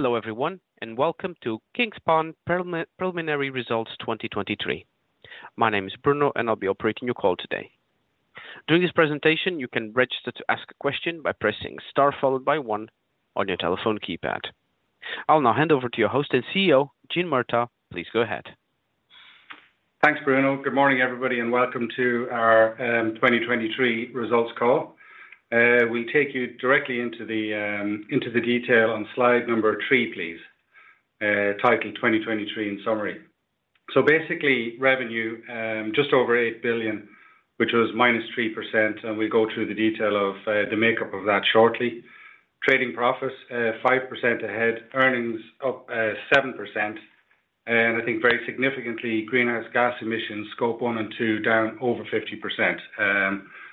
Hello, everyone, and welcome to Kingspan Preliminary Results 2023. My name is Bruno, and I'll be operating your call today. During this presentation, you can register to ask a question by pressing Star followed by one on your telephone keypad. I'll now hand over to your host and CEO, Gene Murtagh. Please go ahead. Thanks, Bruno. Good morning, everybody, and welcome to our 2023 results call. We take you directly into the detail on slide number 3, please, titled: 2023 in summary. So basically, revenue just over 8 billion, which was -3%, and we'll go through the detail of the makeup of that shortly. Trading profits 5% ahead. Earnings up 7%, and I think very significantly, greenhouse gas emissions, scope one and two, down over 50%,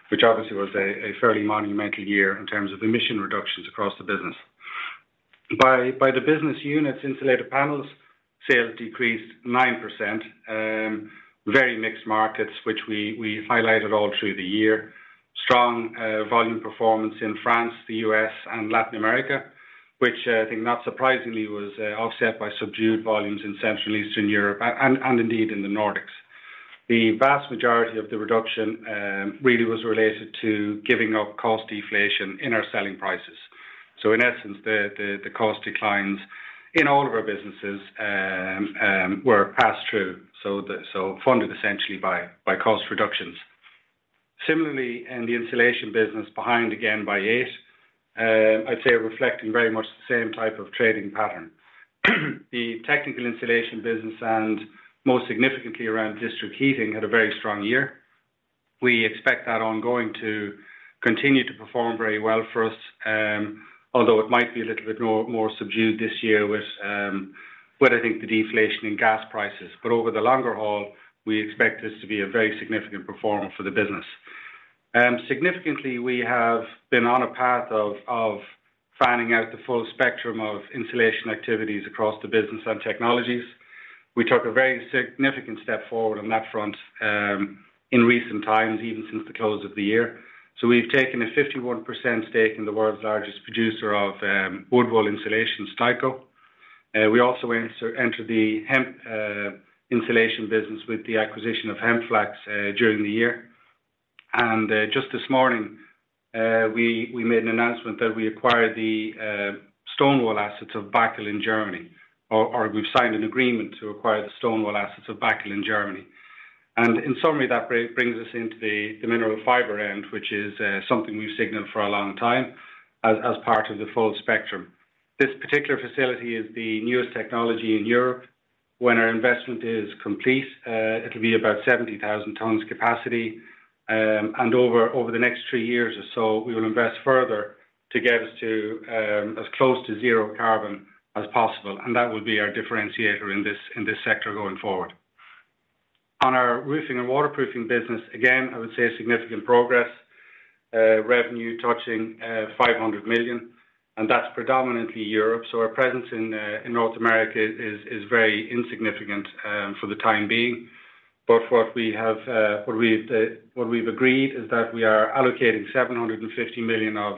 which obviously was a fairly monumental year in terms of emission reductions across the business. By the business units, Insulated panels, sales decreased 9%. Very mixed markets, which we highlighted all through the year. Strong volume performance in France, the U.S. and Latin America, which I think not surprisingly, was offset by subdued volumes in Central Eastern Europe and indeed in the Nordics. The vast majority of the reduction really was related to giving up cost deflation in our selling prices. So in essence, the cost declines in all of our businesses were passed through, so funded essentially by cost reductions. Similarly, in the Insulation business, behind again by 8, I'd say reflecting very much the same type of trading pattern. The technical Insulation business and most significantly around district heating, had a very strong year. We expect that ongoing to continue to perform very well for us, although it might be a little bit more subdued this year with what I think the deflation in gas prices. But over the longer haul, we expect this to be a very significant performer for the business. Significantly, we have been on a path of finding out the full spectrum of Insulation activities across the business and technologies. We took a very significant step forward on that front in recent times, even since the close of the year. So we've taken a 51% stake in the world's largest producer of wood wool Insulation, Steico. We also entered the hemp Insulation business with the acquisition of HempFlax during the year. And just this morning, we made an announcement that we acquired the stone wool assets of Bachi in Germany, or we've signed an agreement to acquire the stone wool assets of Bachi in Germany. In summary, that brings us into the mineral fiber end, which is something we've signaled for a long time as part of the full spectrum. This particular facility is the newest technology in Europe. When our investment is complete, it'll be about 70,000 tons capacity, and over the next three years or so, we will invest further to get us to as close to zero carbon as possible, and that will be our differentiator in this sector going forward. On our Roofing & Waterproofing business, again, I would say significant progress, revenue touching 500 million, and that's predominantly Europe. Our presence in North America is very insignificant for the time being. But what we have, agreed is that we are allocating 750 million of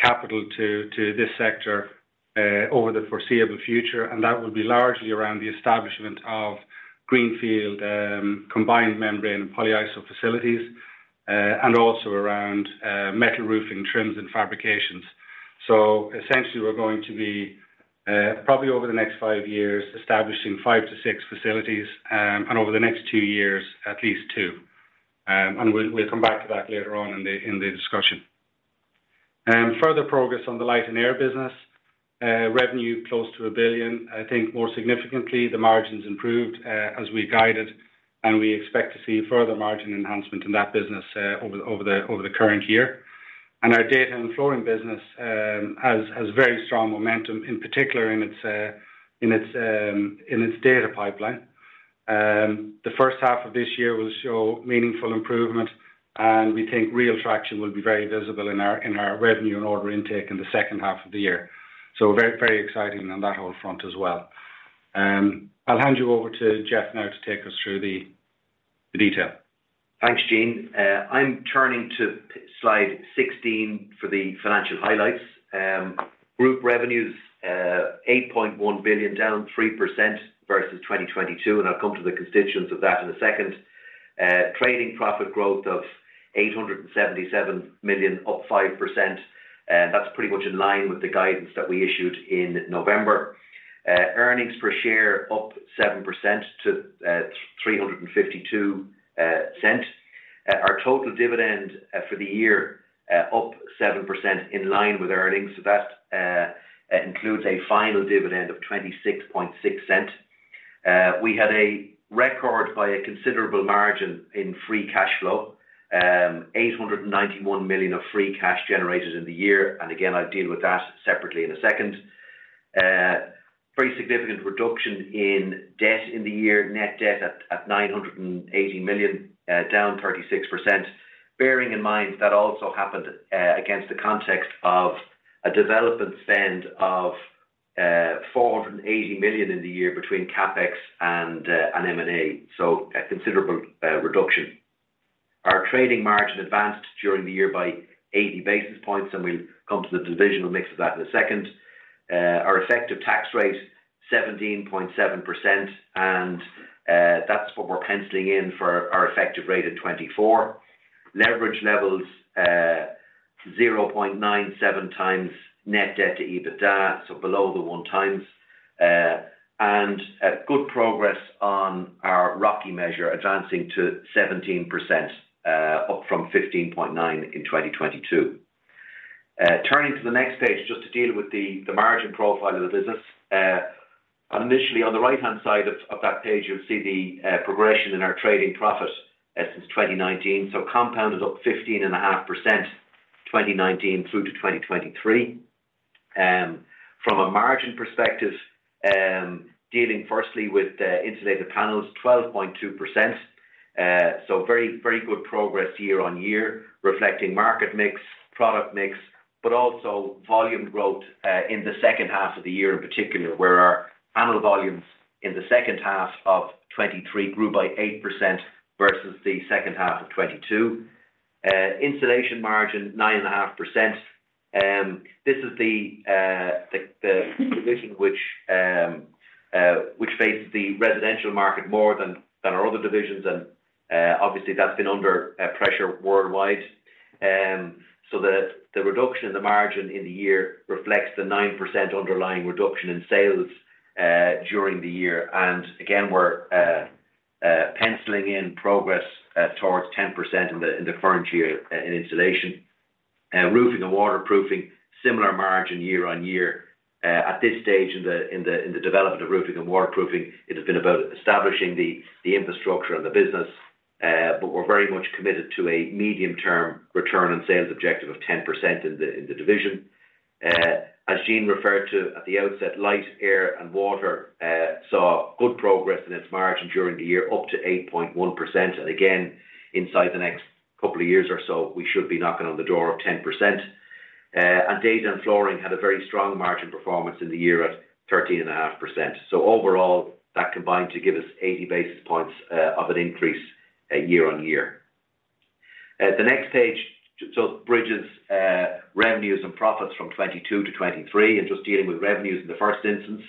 capital to this sector, over the foreseeable future, and that will be largely around the establishment of greenfield, combined membrane and polyiso facilities, and also around, metal roofing trims and fabrications. So essentially, we're going to be, probably over the next five years, establishing five-six facilities, and over the next two years, at least two. And we'll come back to that later on in the, in the discussion. Further progress on the Light & Air business, revenue close to 1 billion. I think more significantly, the margins improved, as we guided, and we expect to see further margin enhancement in that business the, over the current year. Our Data & Flooring business has very strong momentum, in particular in its data pipeline. The first half of this year will show meaningful improvement, and we think real traction will be very visible in our revenue and order intake in the second half of the year. Very, exciting on that whole front as well. I'll hand you over to Geoff now to take us through the detail. Thanks, Gene. I'm turning to slide 16 for the financial highlights. Group revenues 8.1 billion, down 3% versus 2022, and I'll come to the constituents of that in a second. Trading profit growth of 877 million, up 5%, that's pretty much in line with the guidance that we issued in November. Earnings per share up 7% to 3.52. Our total dividend for the year up 7% in line with earnings. So that includes a final dividend of 0.266. We had a record by a considerable margin in free cash flow, 891 million of free cash generated in the year. And again, I'll deal with that separately in a second. Pretty significant reduction in debt in the year, net debt at 980 million, down 36%. Bearing in mind, that also happened against the context of a development spend of 480 million in the year between CapEx and M&A, so a considerable reduction. Our trading margin advanced during the year by 80 basis points, and we'll come to the divisional mix of that in a second. Our effective tax rate, 17.7%, and that's what we're penciling in for our effective rate in 2024. Leverage levels, 0.97x net debt to EBITDA, so below the 1x. And a good progress on our ROCE measure, advancing to 17%, up from 15.9% in 2022. Turning to the next page, just to deal with the margin profile of the business. Initially, on the right-hand side of that page, you'll see the progression in our Trading Profit since 2019. So compounded up 15.5%, 2019 through to 2023. From a margin perspective, dealing firstly with Insulated Panels, 12.2%. So very, very good progress year-over-year, reflecting market mix, product mix, but also volume growth in the second half of the year, in particular, where our annual volumes in the second half of 2023 grew by 8% versus the second half of 2022. Insulation margin, 9.5%. This is the division which faces the residential market more than our other divisions, and obviously, that's been under pressure worldwide. So the reduction in the margin in the year reflects the 9% underlying reduction in sales during the year. And again, we're penciling in progress towards 10% in the current year in insulation. Roofing and waterproofing, similar margin year-over-year. At this stage in the development of roofing and waterproofing, it has been about establishing the infrastructure and the business, but we're very much committed to a medium-term return on sales objective of 10% in the division. As Gene referred to at the outset, Light, Air, and Water saw good progress in its margin during the year, up to 8.1%. And again, inside the next couple of years or so, we should be knocking on the door of 10%. And Data and Flooring had a very strong margin performance in the year at 13.5%. So overall, that combined to give us 80 basis points of an increase year-on-year. The next page, so Bridges revenues and profits from 2022 to 2023, and just dealing with revenues in the first instance.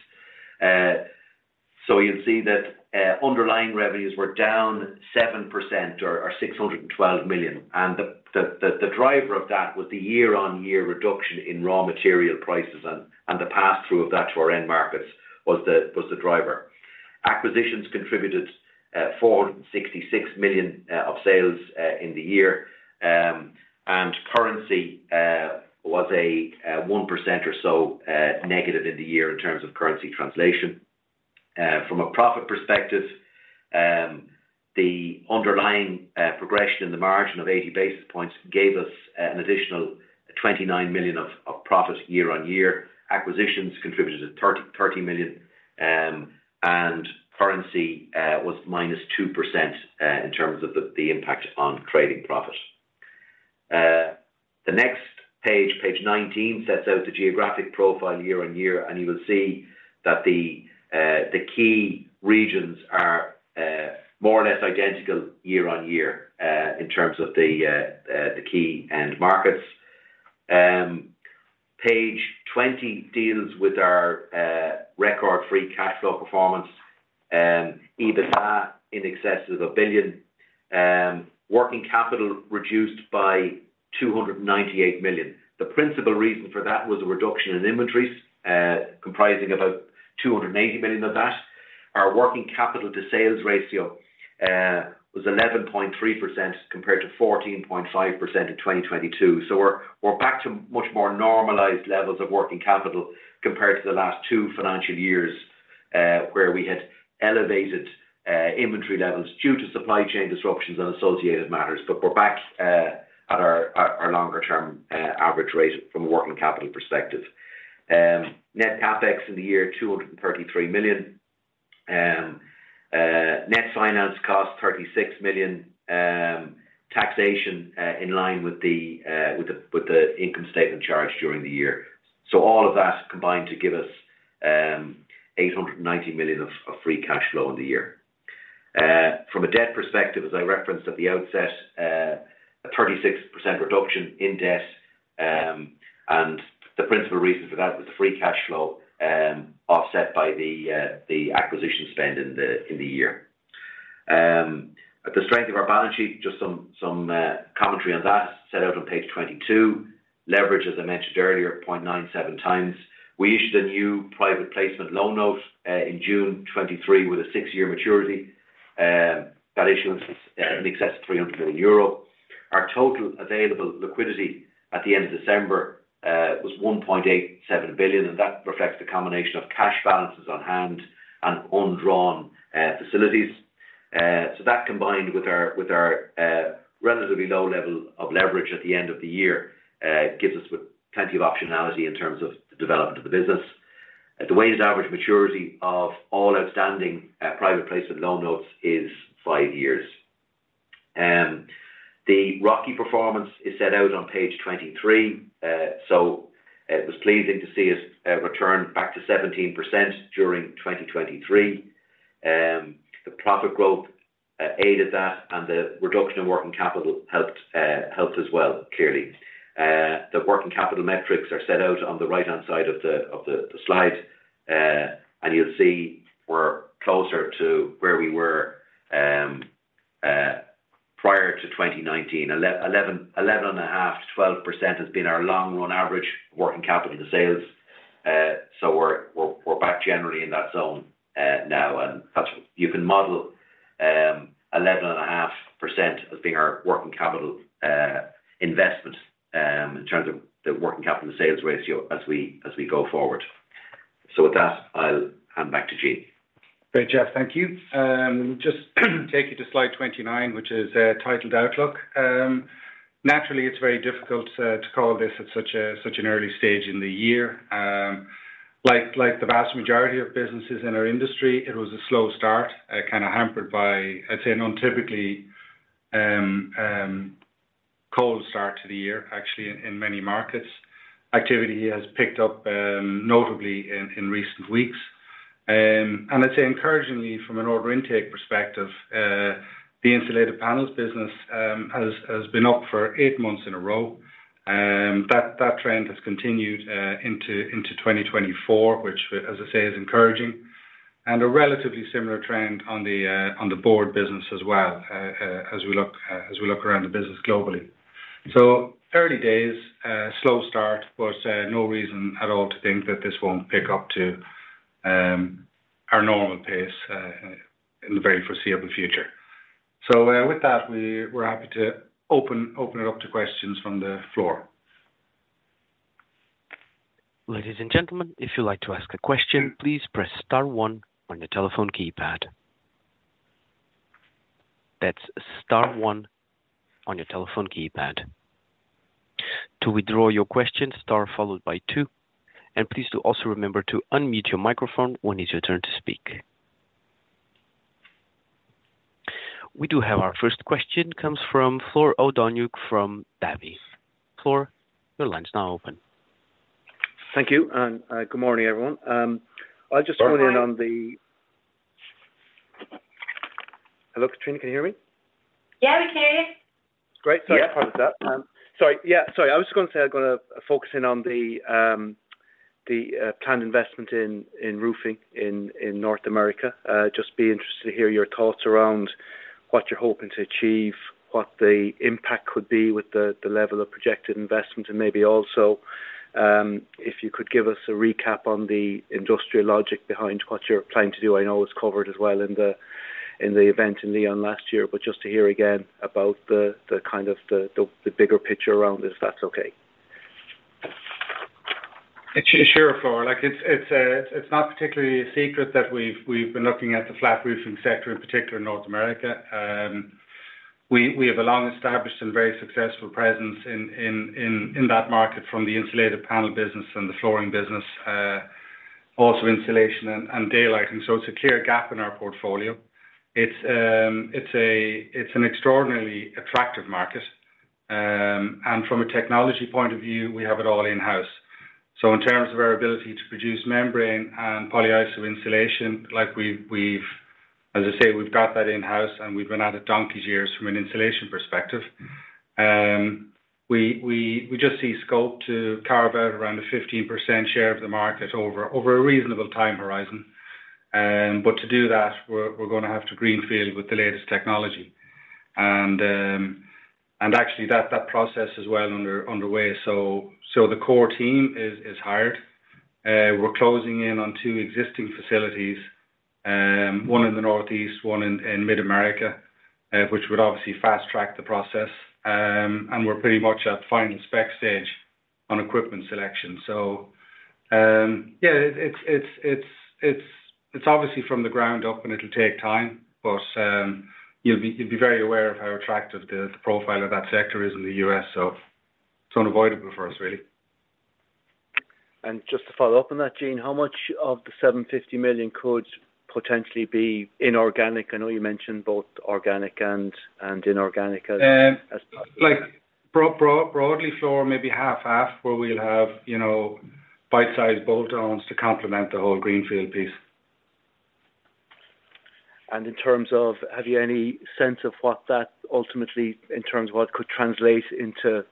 So you'll see that underlying revenues were down 7% or 612 million, and the driver of that was the year-on-year reduction in raw material prices and the pass-through of that to our end markets was the driver. Acquisitions contributed 466 million of sales in the year. And currency was a 1% or so negative in the year in terms of currency translation. From a profit perspective, the underlying progression in the margin of 80 basis points gave us an additional 29 million of profit year-on-year. Acquisitions contributed 30 million, and currency was -2% in terms of the impact on trading profit. The next page, page 19, sets out the geographic profile year-over-year, and you will see that the key regions are more or less identical year-over-year in terms of the key end markets. Page 20 deals with our record free cash flow performance, EBITDA in excess of 1 billion. Working capital reduced by 298 million. The principal reason for that was a reduction in inventories comprising about 280 million of that. Our working capital to sales ratio was 11.3% compared to 14.5% in 2022. So we're back to much more normalized levels of working capital compared to the last two financial years where we had elevated inventory levels due to supply chain disruptions and associated matters. But we're back at our longer-term average rate from a working capital perspective. Net CapEx in the year, 233 million. Net finance cost, 36 million. Taxation in line with the income statement charge during the year. So all of that combined to give us 890 million of free cash flow in the year. From a debt perspective, as I referenced at the outset, a 36% reduction in debt, and the principal reason for that was the free cash flow, offset by the acquisition spend in the year. But the strength of our balance sheet, just some commentary on that, set out on page 22. Leverage, as I mentioned earlier, 0.97x. We issued a new private placement loan note in June 2023 with a six-year maturity. That issuance is in excess of 300 million euro. Our total available liquidity at the end of December was 1.87 billion, and that reflects the combination of cash balances on hand and undrawn facilities. That, combined with our relatively low level of leverage at the end of the year, gives us with plenty of optionality in terms of the development of the business. The weighted average maturity of all outstanding private placement loan notes is five years. The ROCE performance is set out on page 23. It was pleasing to see us return back to 17% during 2023. The profit growth aided that and the reduction in working capital helped as well, clearly. The working capital metrics are set out on the right-hand side of the slide. And you'll see we're closer to where we were prior to 2019. 11.5%-12% has been our long-run average working capital to sales. So we're back generally in that zone now, and that's you can model 11.5% as being our working capital investment in terms of the working capital to sales ratio as we go forward. So with that, I'll hand back to Gene. Great, Geoff, thank you. Just take you to slide 29, which is titled Outlook. Naturally, it's very difficult to call this at such an early stage in the year. Like the vast majority of businesses in our industry, it was a slow start kind of hampered by, I'd say, an atypically cold start to the year, actually, in many markets. Activity has picked up notably in recent weeks. And I'd say encouragingly from an order intake perspective, the insulated panels business has been up for eight months in a row. That trend has continued into 2024, which, as I say, is encouraging. And a relatively similar trend on the board business as well, as we look around the business globally. So early days, slow start, but no reason at all to think that this won't pick up to our normal pace in the very foreseeable future. So, with that, we're happy to open it up to questions from the floor. Ladies and gentlemen, if you'd like to ask a question, please press star one on your telephone keypad. That's star one on your telephone keypad. To withdraw your question, star followed by two, and please do also remember to unmute your microphone when it's your turn to speak. We do have our first question, comes from Flor O'Donoghue from Davy. Flor, your line's now open. Thank you, and good morning, everyone. I'll just hone in on the- Good morning. Hello, Katrina, can you hear me? Yeah, we can hear you. Great. Yeah. Sorry, apologies about that. Sorry. Yeah, sorry. I was just gonna say I'm gonna focus in on the planned investment in roofing in North America. Just be interested to hear your thoughts around what you're hoping to achieve, what the impact could be with the level of projected investment, and maybe also, if you could give us a recap on the industrial logic behind what you're planning to do. I know it was covered as well in the event in Lyon last year, but just to hear again, about the kind of bigger picture around this, if that's okay. Sure, Flor. Like, it's not particularly a secret that we've been looking at the flat roofing sector, in particular in North America. We have a long-established and very successful presence in that market from the insulated panel business and the flooring business, also insulation and daylighting. So it's a clear gap in our portfolio. It's an extraordinarily attractive market. And from a technology point of view, we have it all in-house. So in terms of our ability to produce membrane and polyiso insulation, like we've, as I say, we've got that in-house, and we've been at it donkeys years from an insulation perspective. We just see scope to carve out around a 15% share of the market over a reasonable time horizon. But to do that, we're gonna have to greenfield with the latest technology. And actually that process is well underway. So the core team is hired. We're closing in on two existing facilities, one in the Northeast, one in Mid-America, which would obviously fast-track the process. And we're pretty much at final spec stage on equipment selection. So yeah, it's obviously from the ground up, and it'll take time, but you'd be very aware of how attractive the profile of that sector is in the U.S., so it's unavoidable for us, really. Just to follow up on that, Gene, how much of the 750 million could potentially be inorganic? I know you mentioned both organic and inorganic as... Like, broadly, Flor, maybe half, half, where we'll have, you know, bite-sized bolt-ons to complement the whole greenfield piece. In terms of, have you any sense of what that ultimately, in terms of what could translate into,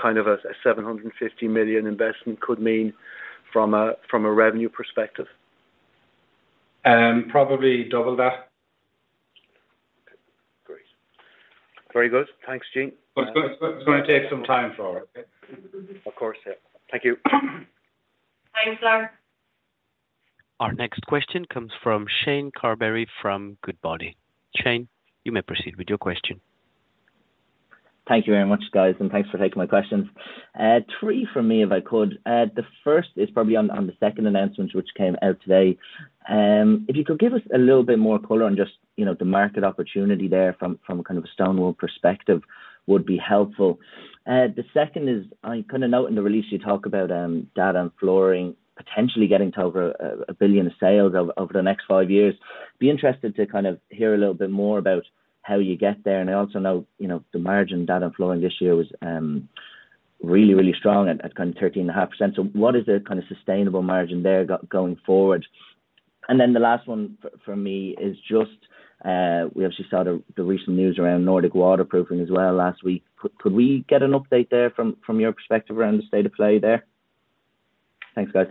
kind of a 750 million investment could mean from a, from a revenue perspective? Probably double that. Great. Very good. Thanks, Gene. It's gonna take some time, Flor. Of course, yeah. Thank you. Thanks, Flor. Our next question comes from Shane Carberry from Goodbody. Shane, you may proceed with your question. Thank you very much, guys, and thanks for taking my questions. Three from me, if I could. The first is probably on the second announcement, which came out today. If you could give us a little bit more color on just, you know, the market opportunity there from a stone wool perspective, would be helpful. The second is, I kind of note in the release you talk about data on flooring potentially getting to over 1 billion in sales over the next five years. Be interested to kind of hear a little bit more about how you get there. And I also know, you know, the margin data on flooring this year was really, really strong at 13.5%. So what is the kind of sustainable margin there going forward? And then the last one for me is just, we obviously saw the recent news around Nordic Waterproofing as well last week. Could, could we get an update there from your perspective around the state of play there? Thanks, guys.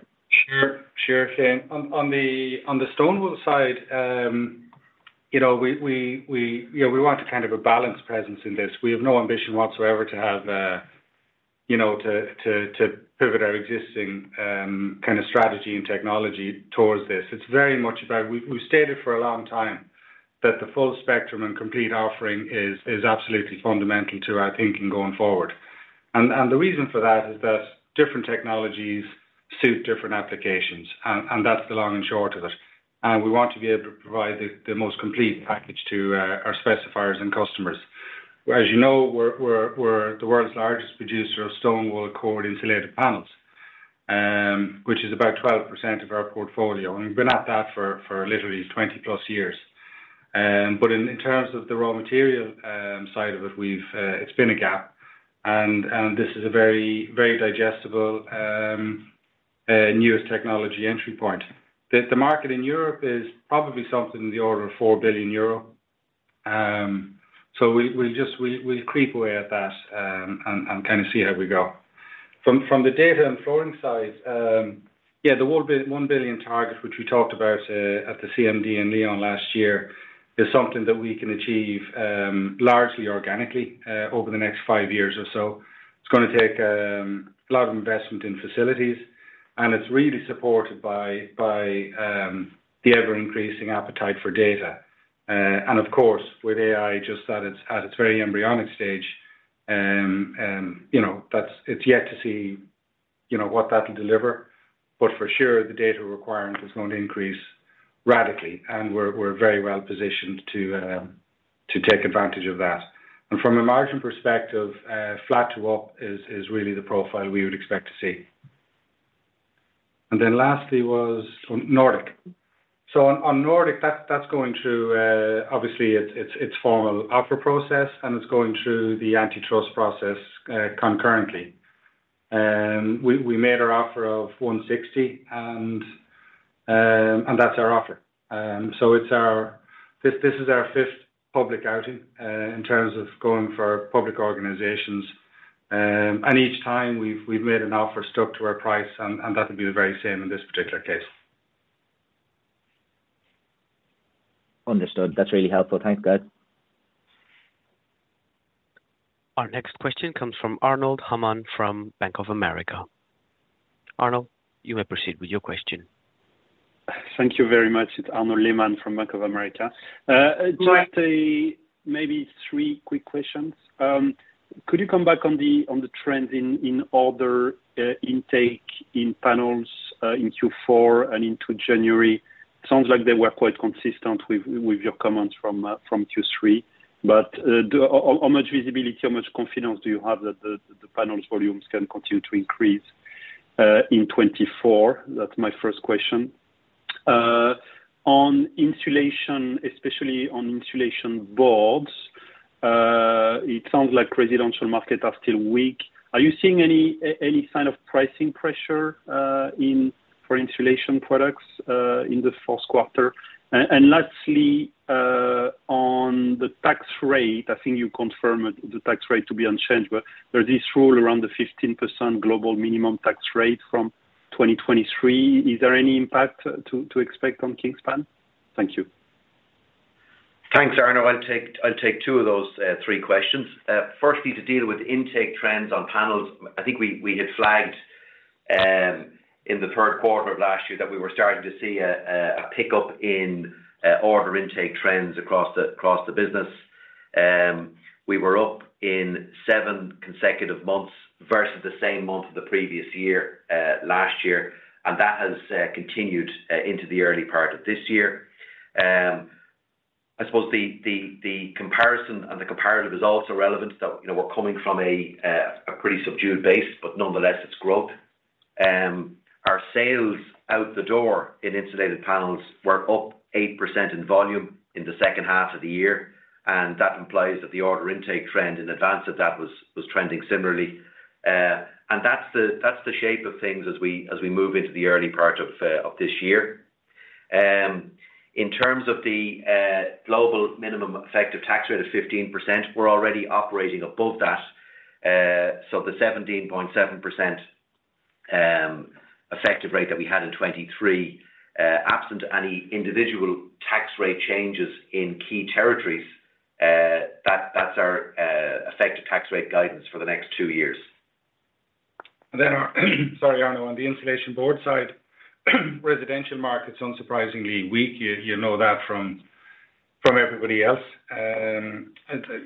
Sure. Sure, Shane. On the stone wool side, you know, we want kind of a balanced presence in this. We have no ambition whatsoever to have, you know, to pivot our existing kind of strategy and technology towards this. It's very much about, we've stated for a long time that the full spectrum and complete offering is absolutely fundamental to our thinking going forward. And the reason for that is that different technologies suit different applications, and that's the long and short of it. And we want to be able to provide the most complete package to our specifiers and customers. As you know, we're the world's largest producer of stone wool core insulated panels, which is about 12% of our portfolio, and we've been at that for literally 20+ years. But in terms of the raw material side of it, we've - it's been a gap, and this is a very digestible newest technology entry point. The market in Europe is probably something in the order of 4 billion euro. So we'll just—we'll creep away at that, and kind of see how we go. From the Data and Flooring side, yeah, the 1 billion target, which we talked about at the CMD in Lyon last year, is something that we can achieve largely organically over the next five years or so. It's going to take a lot of investment in facilities, and it's really supported by the ever-increasing appetite for data. And of course, with AI just at its very embryonic stage, you know, that's. It's yet to see, you know, what that will deliver. But for sure, the data requirement is going to increase radically, and we're very well positioned to take advantage of that. And from a margin perspective, flat to up is really the profile we would expect to see. And then lastly was on Nordic. So on Nordic, that's going through, obviously, its formal offer process, and it's going through the antitrust process, concurrently. We made our offer of 160, and that's our offer. So this is our fifth public outing in terms of going for public organizations. And each time we've made an offer, stuck to our price, and that will be the very same in this particular case. Understood. That's really helpful. Thanks, guys. Our next question comes from Arnaud Lehman from Bank of America. Arnold, you may proceed with your question. Thank you very much. It's Arnaud Lehman from Bank of America. Right. Just, maybe three quick questions. Could you come back on the trend in order intake in panels, in Q4 and into January? Sounds like they were quite consistent with your comments from Q3. But, how much visibility, how much confidence do you have that the panels volumes can continue to increase, in 2024? That's my first question. On insulation, especially on insulation boards, it sounds like residential markets are still weak. Are you seeing any sign of pricing pressure for insulation products in the Q4? And, lastly, on the tax rate, I think you confirmed the tax rate to be unchanged, but there is this rule around the 15% global minimum tax rate from 2023. Is there any impact to expect on Kingspan? Thank you. Thanks, Arnold. I'll take two of those three questions. Firstly, to deal with intake trends on panels, I think we had flagged in the Q3 of last year that we were starting to see a pickup in order intake trends across the business. We were up in seven consecutive months versus the same month of the previous year last year, and that has continued into the early part of this year. I suppose the comparison and the comparative is also relevant. So, you know, we're coming from a pretty subdued base, but nonetheless, it's growth. Our sales out the door in Insulated Panels were up 8% in volume in the second half of the year, and that implies that the order intake trend in advance of that was trending similarly. And that's the shape of things as we move into the early part of this year. In terms of the global minimum effective tax rate of 15%, we're already operating above that. So the 17.7% effective rate that we had in 2023, absent any individual tax rate changes in key territories, that's our effective tax rate guidance for the next two years. Sorry, Arnold, on the insulation board side, residential markets, unsurprisingly weak. You know that from everybody else.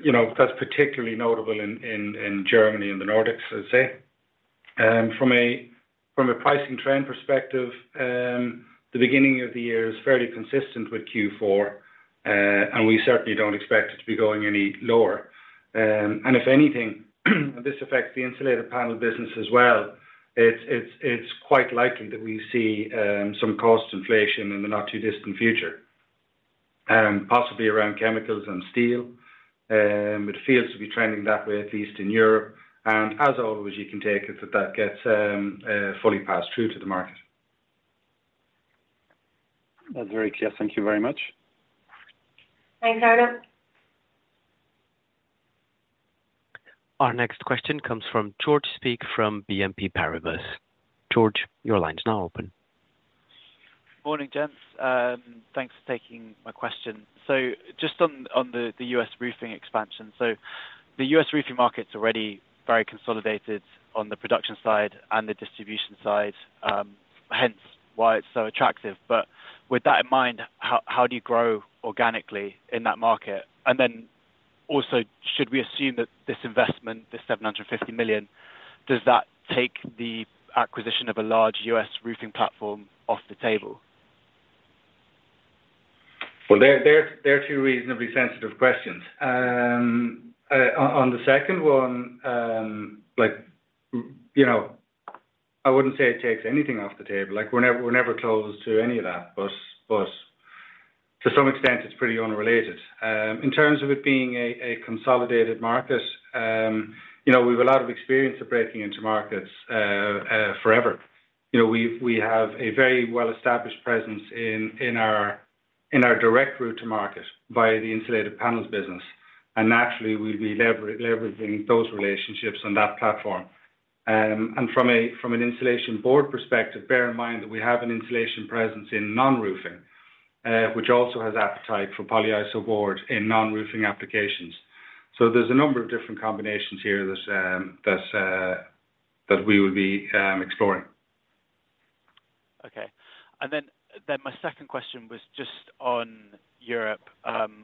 You know, that's particularly notable in Germany and the Nordics, I'd say. From a pricing trend perspective, the beginning of the year is fairly consistent with Q4, and we certainly don't expect it to be going any lower. And if anything, this affects the insulated panel business as well. It's quite likely that we see some cost inflation in the not-too-distant future. And possibly around chemicals and steel. It feels to be trending that way, at least in Europe. As always, you can take it that that gets fully passed through to the market. That's very clear. Thank you very much. Thanks, Arnold. Our next question comes from George Sheridan from BNP Paribas. George, your line is now open. Morning, gents. Thanks for taking my question. So just on the U.S. roofing expansion. So the U.S. roofing market's already very consolidated on the production side and the distribution side, hence why it's so attractive. But with that in mind, how do you grow organically in that market? And then also, should we assume that this investment, this $750 million, does that take the acquisition of a large U.S. roofing platform off the table? Well, they're two reasonably sensitive questions. On the second one, like, you know, I wouldn't say it takes anything off the table. Like, we're never closed to any of that. But to some extent, it's pretty unrelated. In terms of it being a consolidated market, you know, we've a lot of experience of breaking into markets forever. You know, we have a very well-established presence in our direct route to market via the insulated panels business, and naturally, we'll be leveraging those relationships on that platform. And from an insulation board perspective, bear in mind that we have an insulation presence in non-roofing, which also has appetite for polyiso board in non-roofing applications. So there's a number of different combinations here that we will be exploring. Okay. And then, my second question was just on Europe.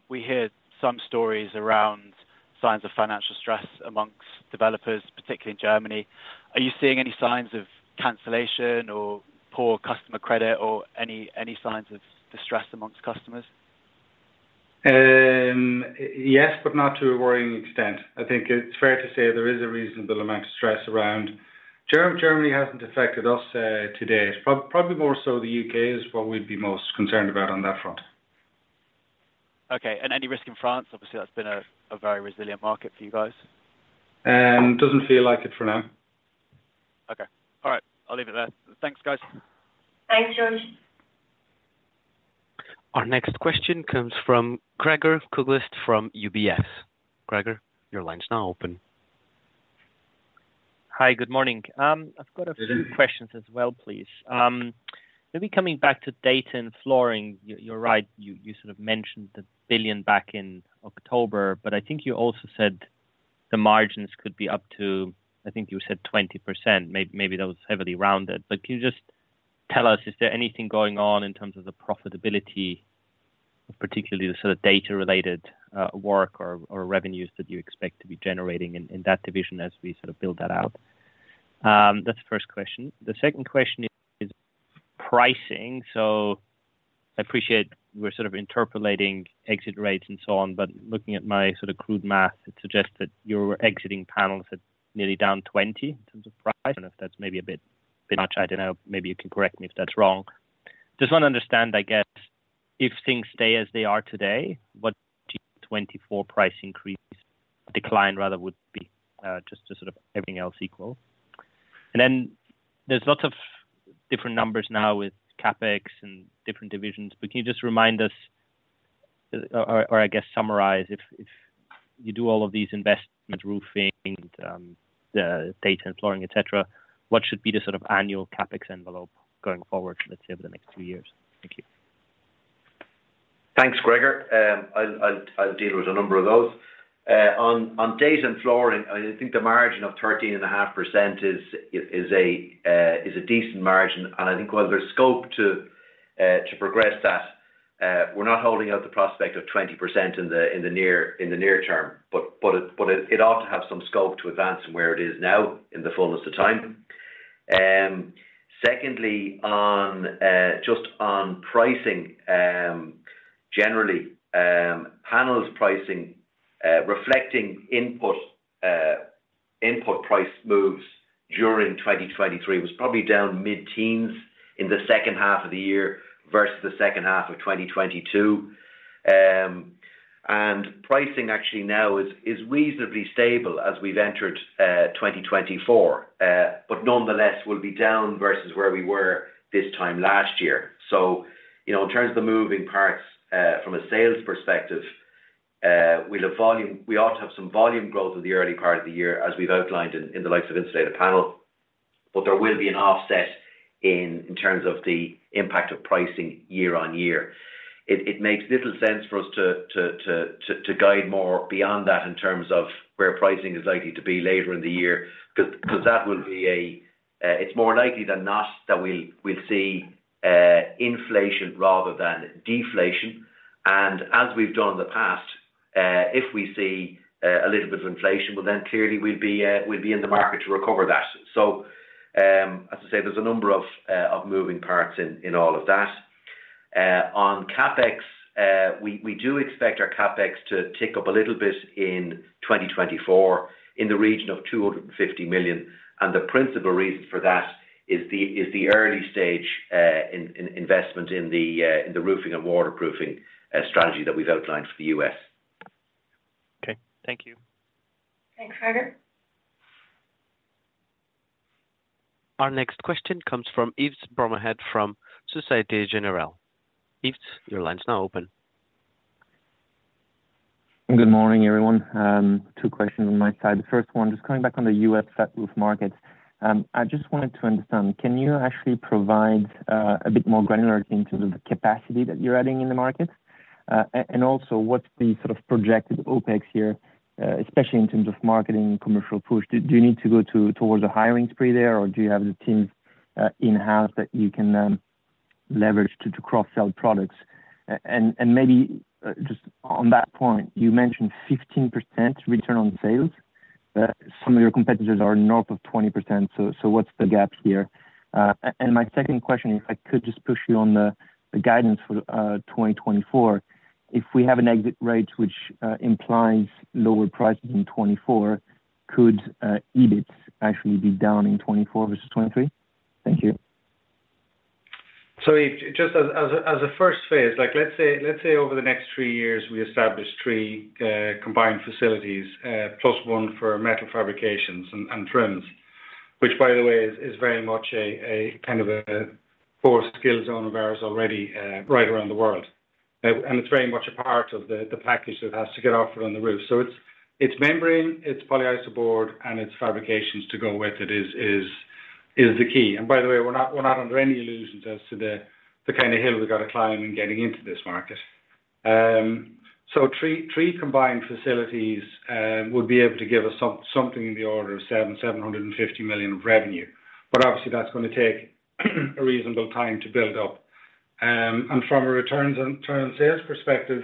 We heard some stories around signs of financial stress among developers, particularly in Germany. Are you seeing any signs of cancellation or poor customer credit orany signs of distress among customers? Yes, but not to a worrying extent. I think it's fair to say there is a reasonable amount of stress around. Germany hasn't affected us today. It's probably more so the U.K. is what we'd be most concerned about on that front. Okay, and any risk in France? Obviously, that's been a very resilient market for you guys. Doesn't feel like it for now. Okay. All right, I'll leave it there. Thanks, guys. Thanks, George. Our next question comes from Gregor Kuglitsch from UBS. Gregor, your line is now open. Hi, good morning. I've got a few questions as well, please. Maybe coming back to Data and Flooring. You're right, you sort of mentioned the 1 billion back in October, but I think you also said the margins could be up to, I think you said 20%. Maybe that was heavily rounded. But can you just tell us, is there anything going on in terms of the profitability, particularly the sort of data-related work or revenues that you expect to be generating in that division as we sort of build that out? That's the first question. The second question is pricing. So I appreciate we're sort of interpolating exit rates and so on, but looking at my sort of crude math, it suggests that you're exiting panels at nearly down 20% in terms of price. I don't know if that's maybe a bit much. I don't know. Maybe you can correct me if that's wrong. Just want to understand, I guess, if things stay as they are today, what 2024 price increase, decline rather, would be, just to sort of everything else equal? Then there's lots of different numbers now with CapEx and different divisions. But can you just remind us or, I guess, summarize if you do all of these investments, roofing, Data and Flooring, et cetera, what should be the sort of annual CapEx envelope going forward, let's say, over the next two years? Thank you. Thanks, Gregor. I'll, deal with a number of those. On Data and Flooring, I think the margin of 13.5% is a decent margin, and I think while there's scope to, to progress that, we're not holding out the prospect of 20% in the, in the near, in the near term. But it ought to have some scope to advance from where it is now in the fullness of time. Secondly, on, just on pricing, generally, panels pricing, reflecting input price moves during 2023 was probably down mid-teens in the second half of the year versus the second half of 2022. And pricing actually now is reasonably stable as we've entered 2024, but nonetheless will be down versus where we were this time last year. So, you know, in terms of the moving parts, from a sales perspective, we'll have volume - we ought to have some volume growth in the early part of the year, as we've outlined in the likes of insulated panel. But there will be an offset in terms of the impact of pricing year-on-year. It makes little sense for us to guide more beyond that in terms of where pricing is likely to be later in the year, 'cause that will be a - it's more likely than not that we'll see inflation rather than deflation. As we've done in the past, if we see a little bit of inflation, well, then clearly we'd be in the market to recover that. So, as I say, there's a number of moving parts in all of that. On CapEx, we do expect our CapEx to tick up a little bit in 2024, in the region of 250 million, and the principal reason for that is the early stage, in, in investment in the roofing and waterproofing, strategy that we've outlined for the US. Okay, thank you. Thanks, Gregor. Our next question comes from Yves Bromehead from Société Générale. Yves, your line's now open. Good morning, everyone. Two questions on my side. The first one, just coming back on the U.S. flat roof market. I just wanted to understand, can you actually provide a bit more granularity into the capacity that you're adding in the market? And also, what's the sort of projected OpEx here, especially in terms of marketing and commercial push. Do you need to go towards a hiring spree there, or do you have the teams in-house that you can leverage to cross-sell products? And maybe, just on that point, you mentioned 15% return on sales. Some of your competitors are north of 20%, so what's the gap here? And my second question, if I could just push you on the guidance for the 2024. If we have an exit rate, which implies lower prices in 2024, could EBIT actually be down in 2024 versus 2023? Thank you. So just as a first phase, like, let's say, over the next three years, we establish three combined facilities, plus one for metal fabrications and trims. Which, by the way, is very much a kind of a core skill zone of ours already, right around the world. And it's very much a part of the package that has to get offered on the roof. So it's membrane, it's polyiso board, and it's fabrications to go with it is the key. And by the way, we're not under any illusions as to the kind of hill we've got to climb in getting into this market. So three combined facilities would be able to give us something in the order of 750 million of revenue. Obviously, that's going to take a reasonable time to build up. From a return on sales perspective,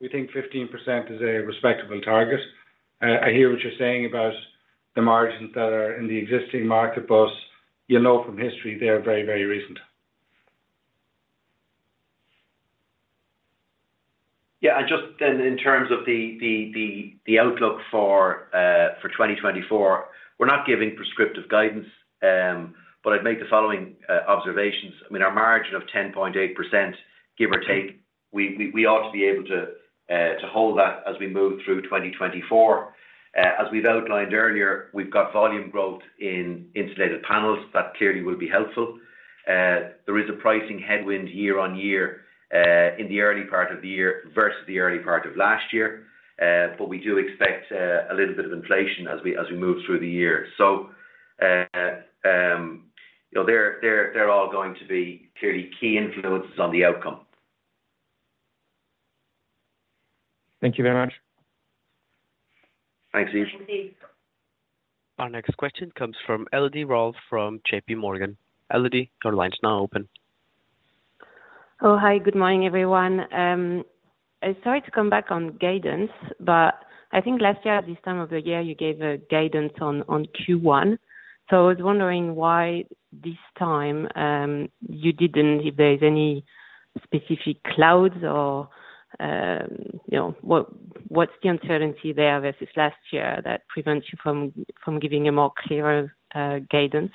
we think 15% is a respectable target. I hear what you're saying about the margins that are in the existing market, but you know, from history, they are very recent. Yeah, and just then, in terms of the outlook for 2024, we're not giving prescriptive guidance, but I'd make the following observations. I mean, our margin of 10.8%, give or take, we ought to be able to hold that as we move through 2024. As we've outlined earlier, we've got volume growth in insulated panels. That clearly will be helpful. There is a pricing headwind year-on-year in the early part of the year versus the early part of last year. But we do expect a little bit of inflation as we move through the year. So, you know, they're all going to be clearly key influences on the outcome. Thank you very much. Thanks, Yves. Thanks, Yves. Our next question comes from Elodie Rall, from JP Morgan. Elodie, your line is now open. Oh, hi, good morning, everyone. I'm sorry to come back on guidance, but I think last year, at this time of the year, you gave a guidance on Q1. So I was wondering why this time you didn't, if there's any specific clouds or, you know, what's the uncertainty there versus last year that prevents you from giving a more clearer guidance?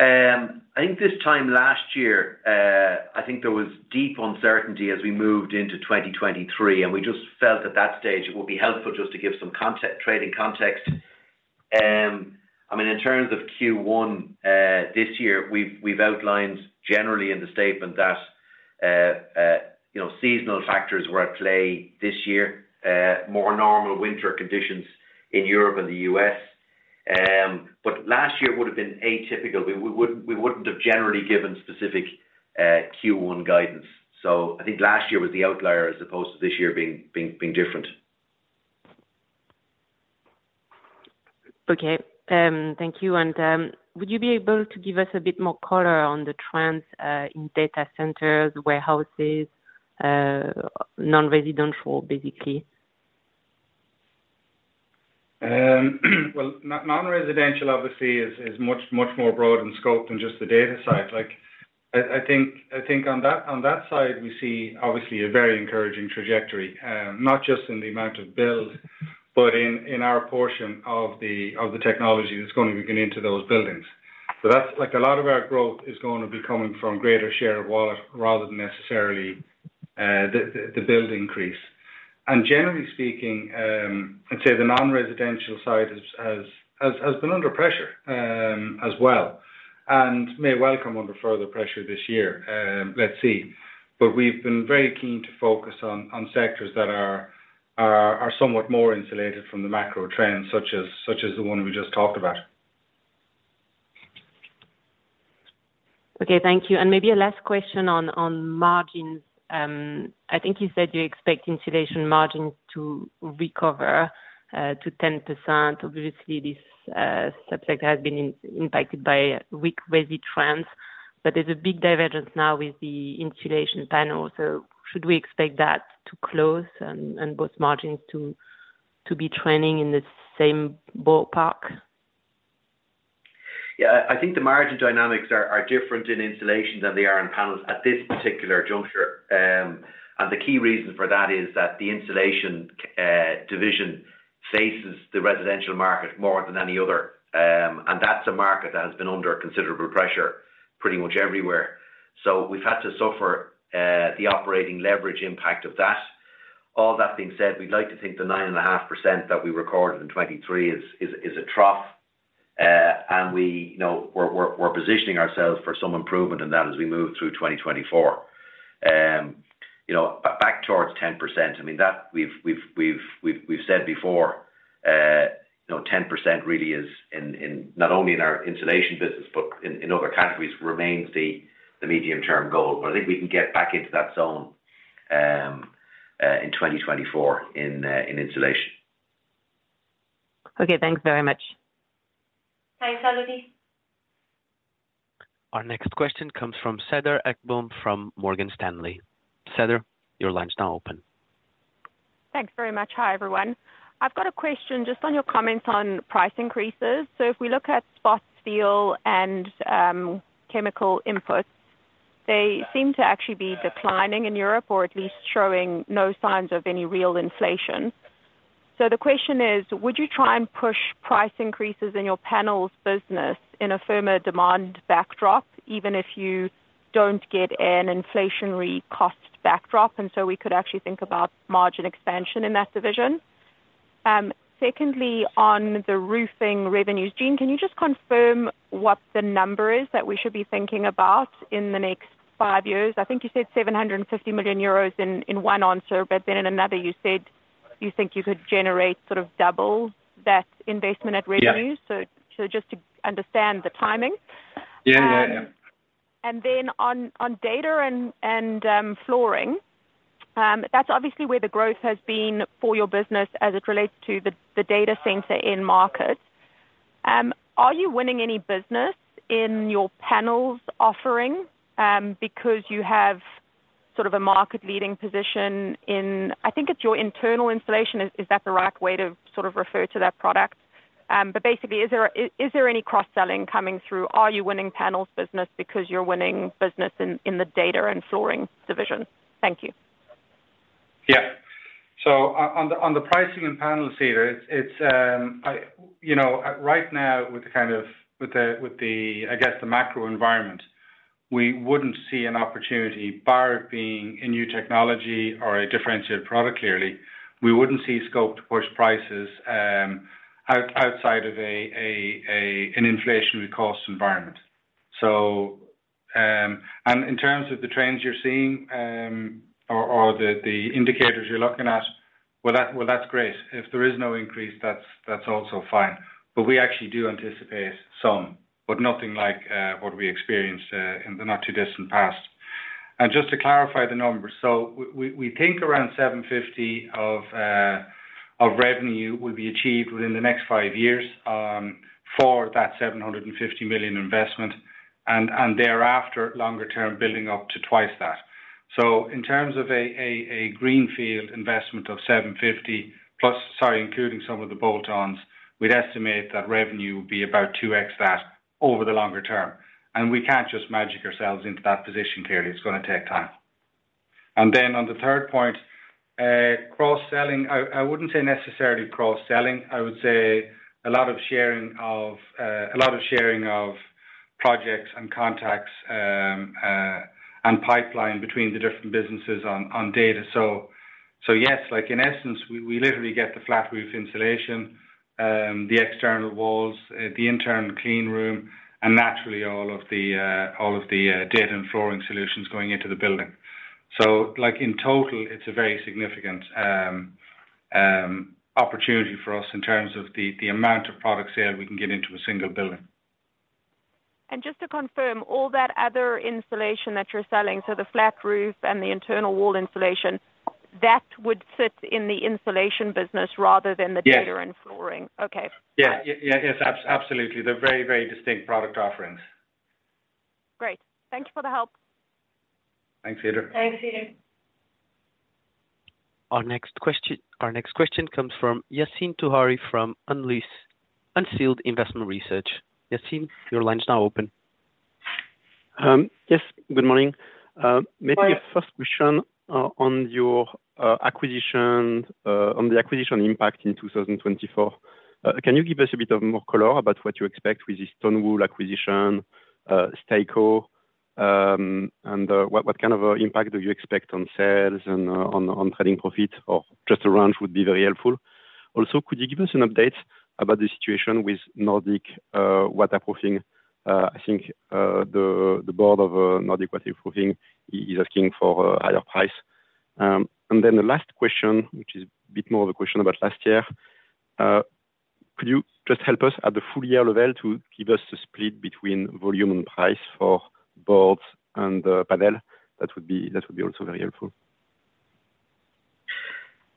I think this time last year, I think there was deep uncertainty as we moved into 2023, and we just felt at that stage it would be helpful just to give some context, trading context. I mean, in terms of Q1, this year, we've outlined generally in the statement that, you know, seasonal factors were at play this year, more normal winter conditions in Europe and the U.S. But last year would have been atypical. We wouldn't have generally given specific Q1 guidance. So I think last year was the outlier, as opposed to this year being different. Okay. Thank you. And would you be able to give us a bit more color on the trends in data centers, warehouses, non-residential, basically? Well, non-residential, obviously, is much more broad in scope than just the data side. Like, I think on that side, we see obviously a very encouraging trajectory, not just in the amount of build, but in our portion of the technology that's going to be getting into those buildings. So that's, like, a lot of our growth is going to be coming from greater share of wallet rather than necessarily the build increase. And generally speaking, I'd say the non-residential side has been under pressure as well, and may well come under further pressure this year. Let's see. But we've been very keen to focus on sectors that are somewhat more insulated from the macro trends, such as the one we just talked about. Okay, thank you. And maybe a last question on margins. I think you said you expect insulation margins to recover to 10%. Obviously, this subject has been impacted by weak resi trends, but there's a big divergence now with the insulation panel. So should we expect that to close and both margins to be trending in the same ballpark? Yeah, I think the margin dynamics are different in insulation than they are in panels at this particular juncture. The key reason for that is that the insulation division faces the residential market more than any other. That's a market that has been under considerable pressure pretty much everywhere. So we've had to suffer the operating leverage impact of that. All that being said, we'd like to think the 9.5% that we recorded in 2023 is a trough. And we, you know, we're positioning ourselves for some improvement in that as we move through 2024. You know, back towards 10%, I mean, that we've said before, you know, 10% really is in not only our insulation business, but in other categories, remains the medium-term goal. But I think we can get back into that zone in 2024 in insulation. Okay, thanks very much. Thanks, Sally. Our next question comes from Cedar Sheridan, from Morgan Stanley. Cedar, your line's now open. Thanks very much. Hi, everyone. I've got a question just on your comments on price increases. So if we look at spot steel and chemical inputs, they seem to actually be declining in Europe or at least showing no signs of any real inflation. So the question is: Would you try and push price increases in your panels business in a firmer demand backdrop, even if you don't get an inflationary cost backdrop? And so we could actually think about margin expansion in that division. Secondly, on the roofing revenues, Gene, can you just confirm what the number is that we should be thinking about in the next five years? I think you said 750 million euros in one answer, but then in another, you said you think you could generate sort of double that investment at revenues. Yeah. So just to understand the timing. Yeah. And then on Data and Flooring, that's obviously where the growth has been for your business as it relates to the data center in markets. Are you winning any business in your panels offering, because you have sort of a market-leading position in. I think it's your internal installation. Is that the right way to sort of refer to that product? But basically, is there any cross-selling coming through? Are you winning panels business because you're winning business in the Data and Flooring division? Thank you. Yeah. So on the pricing and panels, Cedar, it's you know, right now, with the I guess, the macro environment, we wouldn't see an opportunity, bar it being a new technology or a differentiated product, clearly, we wouldn't see scope to push prices outside of an inflationary cost environment. So, and in terms of the trends you're seeing, or the indicators you're looking at, well, that's great. If there is no increase, that's also fine. But we actually do anticipate some, but nothing like what we experienced in the not too distant past. And just to clarify the numbers: so we think around 750 million of revenue will be achieved within the next five years, for that 750 million investment, and thereafter, longer term, building up to 2x that. So in terms of a greenfield investment of 750+, sorry, including some of the bolt-ons, we'd estimate that revenue would be about 2x that over the longer term. And we can't just magic ourselves into that position clearly, it's going to take time. And then on the third point, cross-selling, I wouldn't say necessarily cross-selling. I would say a lot of sharing of a lot of sharing of projects and contacts, and pipeline between the different businesses on data. Yes, like in essence, we literally get the flat roof insulation, the external walls, the internal clean room, and naturally all of the Data and Flooring solutions going into the building. So like, in total, it's a very significant opportunity for us in terms of the amount of product sale we can get into a single building. And just to confirm, all that other insulation that you're selling, so the flat roof and the internal wall insulation, that would sit in the insulation business rather than the... Yeah ...data and flooring. Okay. Yeah, yes, absolutely. They're very distinct product offerings. Great. Thank you for the help. Thanks, Cedar. Thanks, Cedar. Our next question comes from Yassine Touahri from Unleashed Investment Research. Yassine, your line is now open. Yes, good morning. Hi. Maybe a first question on your acquisition on the acquisition impact in 2024. Can you give us a bit of more color about what you expect with this stone wool acquisition, BACHL? And what kind of impact do you expect on sales and on trading profit, or just a range would be very helpful. Also, could you give us an update about the situation with Nordic waterproofing? I think the board of Nordic Waterproofing is asking for a higher price. And then the last question, which is a bit more of a question about last year, could you just help us at the full year level to give us the split between volume and price for boards and panel? That would be, that would be also very helpful.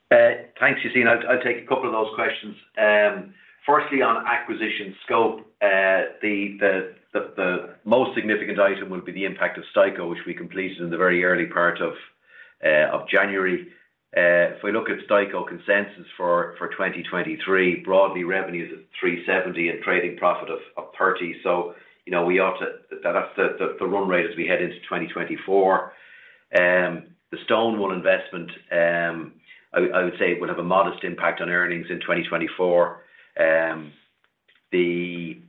Thanks, Yassine. I'll take a couple of those questions. Firstly, on acquisition scope, the most significant item would be the impact of STEICO, which we completed in the very early part of of January. If we look at STEICO consensus for 2023, broadly, revenues of 370 million and trading profit of 30. So you know, we ought to - that's the run rate as we head into 2024. The stone wool investment, I would say it would have a modest impact on earnings in 2024. And beyond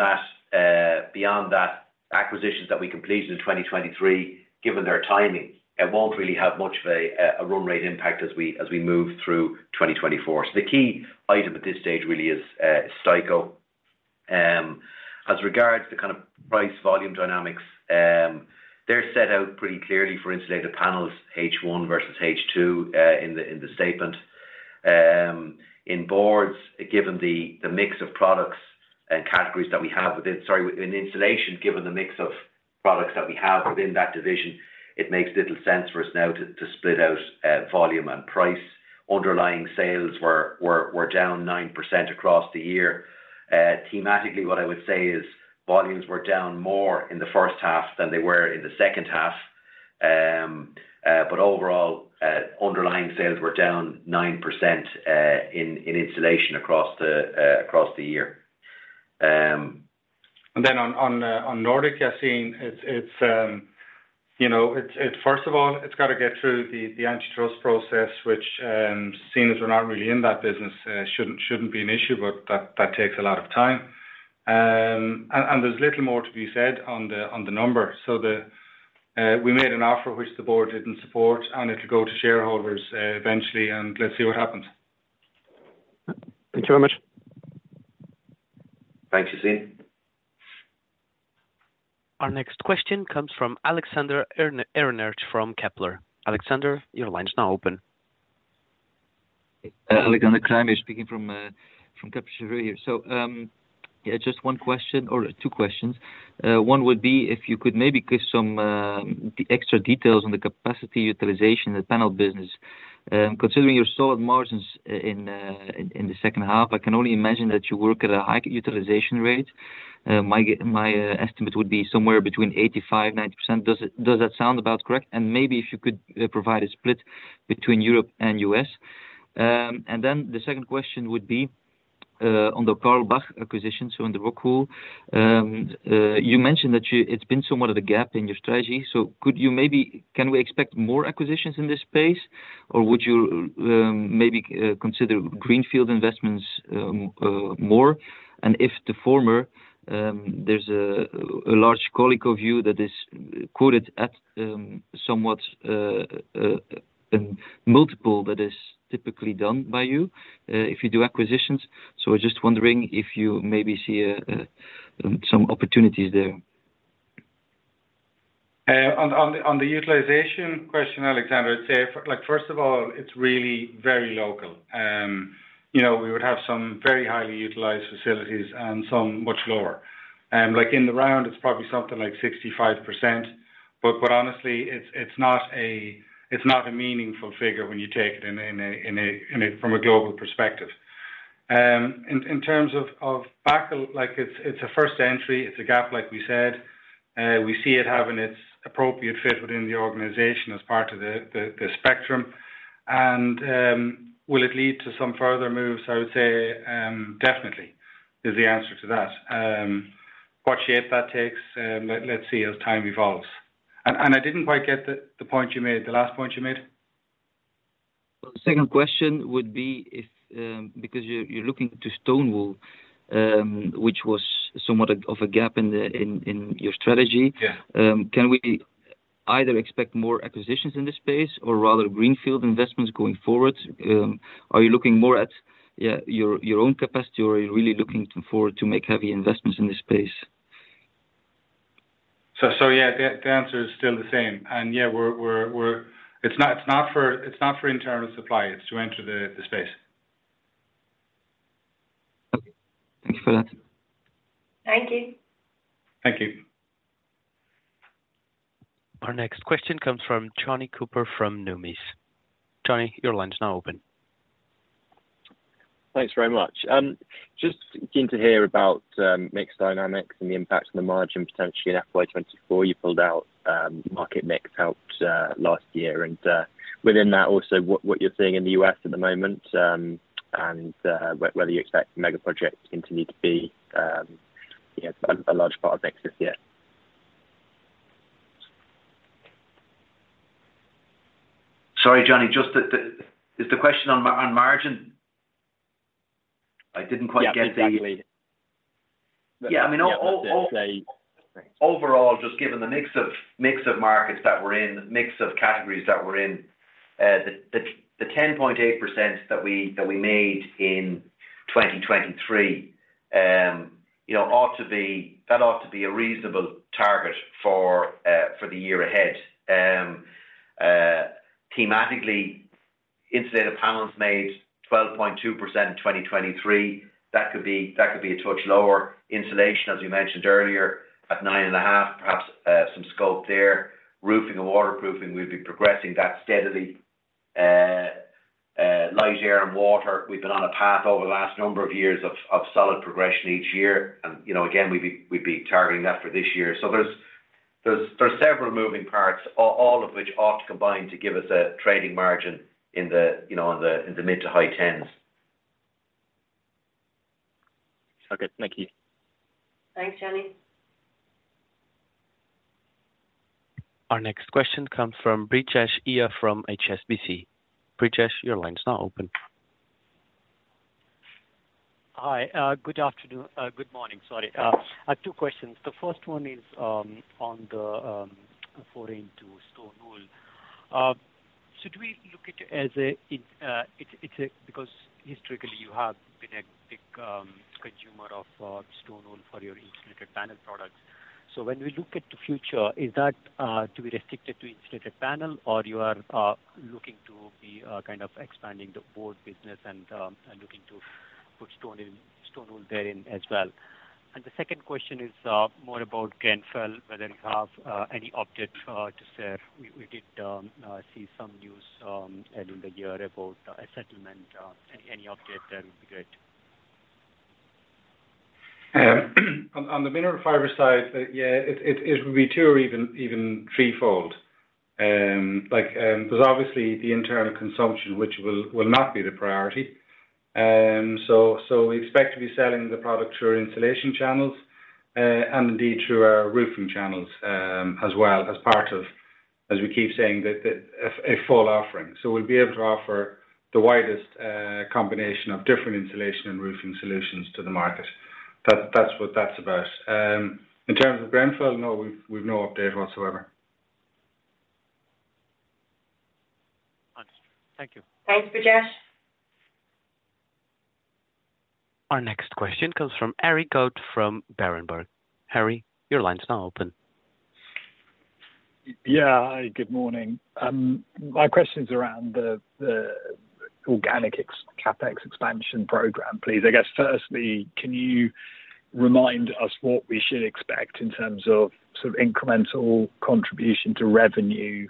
that, beyond that, acquisitions that we completed in 2023, given their timing, it won't really have much of a run rate impact as we move through 2024. So the key item at this stage really is STEICO. As regards to kind of price volume dynamics, they're set out pretty clearly for insulated panels, H1 versus H2, in the statement. In boards, given the mix of products and categories that we have within— Sorry, in insulation, given the mix of products that we have within that division, it makes little sense for us now to split out volume and price. Underlying sales were down 9% across the year. Thematically, what I would say is volumes were down more in the first half than they were in the second half. But overall, underlying sales were down 9% in insulation across the year. Then on Nordic, Yassine, it's, you know, it's - first of all, it's got to get through the antitrust process, which, seeing as we're not really in that business, shouldn't be an issue, but that takes a lot of time. And there's little more to be said on the number. So we made an offer which the board didn't support, and it'll go to shareholders eventually, and let's see what happens. Thank you very much. Thanks, Yaseen. Our next question comes from Alexander Schermer from Kepler. Alexander, your line is now open. Alexander Schermer speaking from Kepler Cheuvreux. So, yeah, just one question or two questions. One would be if you could maybe give some extra details on the capacity utilization in the panel business. Considering your solid margins in the second half, I can only imagine that you work at a high utilization rate. My estimate would be somewhere between 85%-90%. Does that sound about correct? And maybe if you could provide a split between Europe and US. And then the second question would be on the Karl Bachl acquisition, so on the stone wool. You mentioned that you, it's been somewhat of a gap in your strategy, so could you maybe, can we expect more acquisitions in this space, or would you, maybe, consider greenfield investments, more? And if the former, there's a large colleague of you that is quoted at somewhat multiple that is typically done by you if you do acquisitions. So I was just wondering if you maybe see some opportunities there. On the utilization question, Alexander, I'd say, like, first of all, it's really very local. You know, we would have some very highly utilized facilities and some much lower. Like in the round, it's probably something like 65%. But honestly, it's not a meaningful figure when you take it from a global perspective. In terms of BACHL, like, it's a first entry, it's a gap, like we said. We see it having its appropriate fit within the organization as part of the spectrum. Will it lead to some further moves? I would say definitely, is the answer to that. What shape that takes, let's see as time evolves. I didn't quite get the last point you made. The second question would be if, because you're looking to stone wool, which was somewhat of a gap in your strategy... Yeah. Can we either expect more acquisitions in this space or rather greenfield investments going forward? Are you looking more at, yeah, your own capacity, or are you really looking forward to make heavy investments in this space? So yeah, the answer is still the same. And yeah, it's not for internal supply, it's to enter the space. Okay. Thank you for that. Thank you. Thank you. Our next question comes from Jonny Coubrough from Nomura. Jonny, your line is now open. Thanks very much. Just keen to hear about mix dynamics and the impact on the margin, potentially in FY 2024. You pulled out market mix helped last year. Within that, also, what you're seeing in the U.S. at the moment, and whether you expect megaprojects continue to be, you know, a large part of mix this year? Sorry, Jonny, just. Is the question on margin? I didn't quite get the- Yeah, exactly. Yeah, I mean... Yeah. Overall, just given the mix of markets that we're in, mix of categories that we're in, the 10.8% that we made in 2023, you know, ought to be a reasonable target for the year ahead. Thematically, Insulated Panels made 12.2% in 2023. That could be a touch lower. Insulation, as we mentioned earlier, at 9.5%, perhaps some scope there. Roofing and waterproofing, we've been progressing that steadily. Light air and water, we've been on a path over the last number of years of solid progression each year, and, you know, again, we'd be targeting that for this year. So there's several moving parts, all of which ought to combine to give us a trading margin in the, you know, mid to high tens. Okay, thank you. Thanks, Johnny. Our next question comes from Rajesh Iyer from HSBC. Brijesh, your line is now open. Hi, good afternoon, good morning, sorry. I have two questions. The first one is on the foray into stone wool. Should we look at it as a it's a - because historically you have been a big consumer of stone wool for your insulated panel products. So when we look at the future, is that to be restricted to insulated panel, or you are looking to be kind of expanding the board business and looking to put stone wool therein as well? And the second question is more about Grenfell, whether you have any update to share. We did see some news earlier in the year about a settlement. Any update there would be great. On the mineral fiber side, yeah, it will be two or even threefold. Like, because obviously the internal consumption, which will not be the priority. So we expect to be selling the product through our insulation channels, and indeed through our roofing channels, as well as part of, as we keep saying, that a full offering. So we'll be able to offer the widest combination of different insulation and roofing solutions to the market. That's what that's about. In terms of Grenfell, no, we've no update whatsoever. Understood. Thank you. Thanks, Rajesh. Our next question comes from Harry Sheridan from Berenberg. Harry, your line is now open. Yeah. Hi, good morning. My question is around the organic ex-CapEx expansion program, please. I guess, firstly, can you remind us what we should expect in terms of sort of incremental contribution to revenue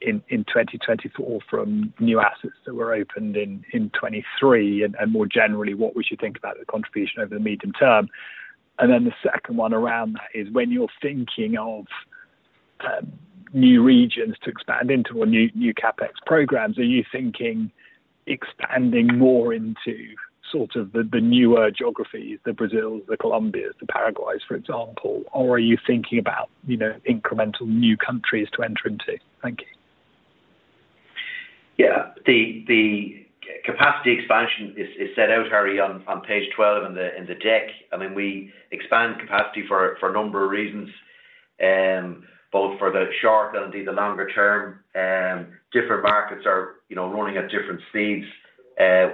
in 2024 from new assets that were opened in 2023? And more generally, what we should think about the contribution over the medium term. And then the second one around that is, when you're thinking of new regions to expand into or new CapEx programs, are you thinking expanding more into sort of the newer geographies, the Brazils, the Colombias, the Paraguays, for example, or are you thinking about, you know, incremental new countries to enter into? Thank you. Yeah. The capacity expansion is set out, Harry, on page 12 in the deck. I mean, we expand capacity for a number of reasons, both for the short and indeed the longer term. Different markets are, you know, running at different speeds.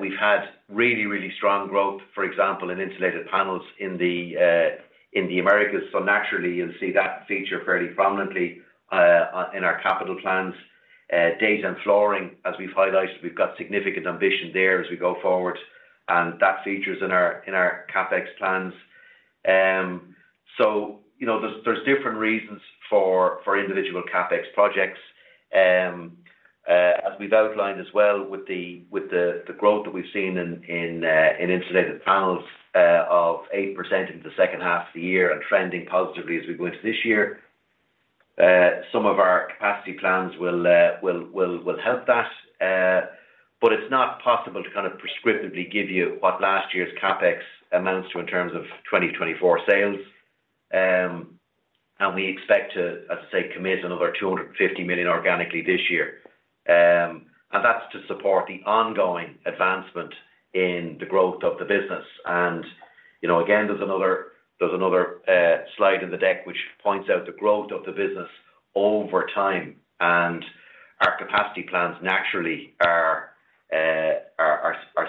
We've had really strong growth, for example, in insulated panels in the Americas, so naturally you'll see that feature fairly prominently in our capital plans. Data and flooring, as we've highlighted, we've got significant ambition there as we go forward, and that features in our CapEx plans. So, you know, there's different reasons for individual CapEx projects. As we've outlined as well with the growth that we've seen in insulated panels of 8% in the second half of the year and trending positively as we go into this year. Some of our capacity plans will help that. But it's not possible to kind of prescriptively give you what last year's CapEx amounts to in terms of 2024 sales. And we expect to, as I say, commit another 250 million organically this year. And that's to support the ongoing advancement in the growth of the business. And, you know, again, there's another slide in the deck, which points out the growth of the business over time, and our capacity plans naturally are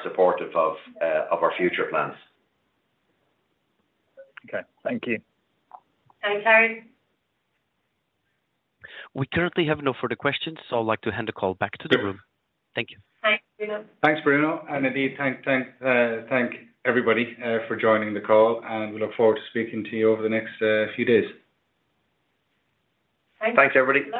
supportive of our future plans. Okay. Thank you. Thanks, Harry. We currently have no further questions, so I'd like to hand the call back to the room. Thank you. Thanks, Bruno. Thanks, Bruno, and indeed, thanks everybody for joining the call, and we look forward to speaking to you over the next few days. Thanks. Thanks, everybody.